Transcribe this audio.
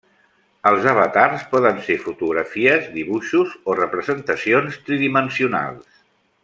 Els avatars poden ser fotografies, dibuixos o, representacions tridimensionals.